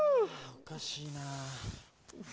おかしいな。